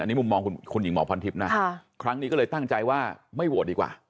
อันนี้มุมมองคุณหญิงหมอพรทิพย์นะครั้งนี้ก็เลยตั้งใจว่าไม่โหวตดีกว่า